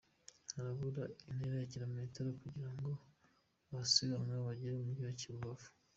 Harabura intera ya kilometero kugira ngo abasiganwa bagere mu mujyi wa Rubavu.